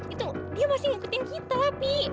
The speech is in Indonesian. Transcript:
itu dia masih ngikutin kita pi